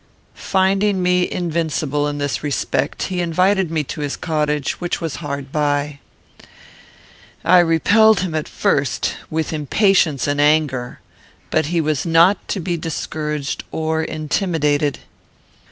"Finding me invincible in this respect, he invited me to his cottage, which was hard by. I repelled him at first with impatience and anger, but he was not to be discouraged or intimidated.